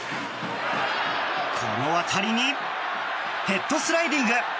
この当たりにヘッドスライディング！